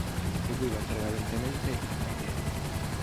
Seguiva prevalentemente Ippocrate.